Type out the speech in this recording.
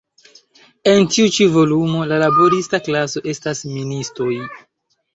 En tiu ĉi volumo, la laborista klaso estas ministoj.